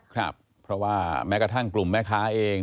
ครับเพราะว่าแม้กระทั่งกลุ่มแม่ค้าเอง